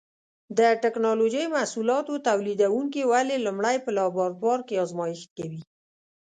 د ټېکنالوجۍ محصولاتو تولیدوونکي ولې لومړی په لابراتوار کې ازمېښت کوي؟